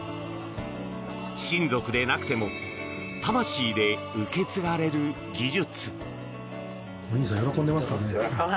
親族でなくても魂で受け継がれる技術。